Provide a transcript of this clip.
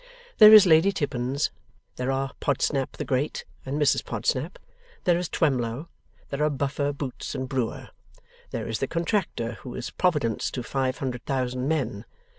There is Lady Tippins. There are Podsnap the Great, and Mrs Podsnap. There is Twemlow. There are Buffer, Boots, and Brewer. There is the Contractor, who is Providence to five hundred thousand men.